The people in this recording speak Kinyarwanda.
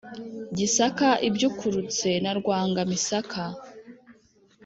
gisaka ibyukurutse na rwanga-misaka.